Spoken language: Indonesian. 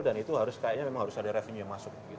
dan itu harus kayaknya memang harus ada revenue yang masuk